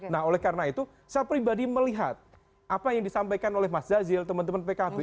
nah oleh karena itu saya pribadi melihat apa yang disampaikan oleh mas jazil teman teman pkb